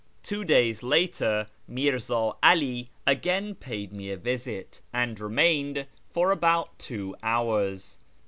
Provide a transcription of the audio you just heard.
Two days later Mirza 'All again paid me a visit, and shirAz 317 remained for about two hours.